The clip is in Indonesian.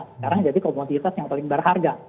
sekarang jadi komoditas yang paling berharga